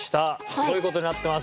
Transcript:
すごい事になってます。